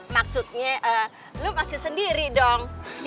maksudnya lo masih sendiri dong